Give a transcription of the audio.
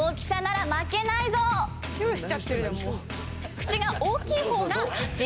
口が大きい方が勝ち。